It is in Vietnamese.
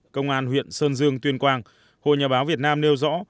công an huyện sơn dương tuyên quang hội nhà báo việt nam nêu rõ